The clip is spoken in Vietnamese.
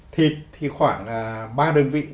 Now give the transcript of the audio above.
thịt thì khoảng ba đơn vị